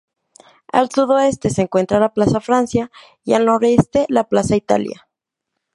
Al sudoeste se encuentra la Plaza Francia y al noreste la Plaza Italia.